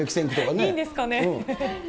いいんですかね。